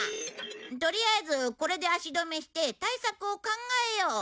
とりあえずこれで足止めして対策を考えよう。